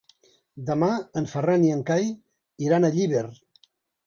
Demà en Ferran i en Cai iran a Llíber.